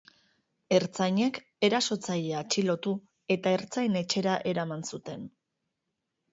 Ertzainek erasotzailea atxilotu, eta ertzain-etxera eraman zuten.